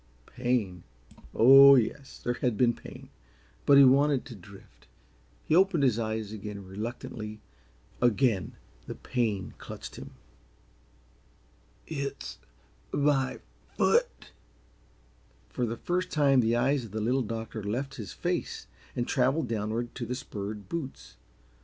Pain? Oh, yes, there had been pain but he wanted to drift. He opened his eyes again reluctantly; again the pain clutched him. "It's my foot." For the first time the eyes of the Little Doctor left his face and traveled downward to the spurred boots.